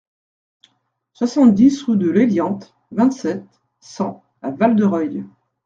soixante-dix rue de l'Hélianthe, vingt-sept, cent à Val-de-Reuil